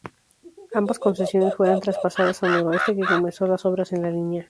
Ambas concesiones fueran traspasadas a Noroeste, que comenzó las obras en la línea.